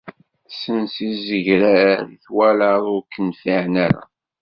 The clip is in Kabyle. Sens izegrar i twalaḍ ur k-nfiεen ara.